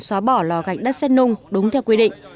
xóa bỏ lò gạch đất xét nung đúng theo quy định